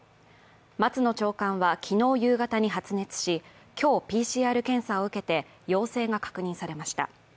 松野長官は昨日夕方に発熱し、今日、ＰＣＲ検査を受けて陽性が確認されました。